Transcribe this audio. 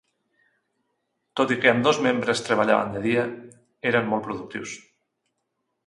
Tot i que ambdós membres treballaven de dia, eren molt productius.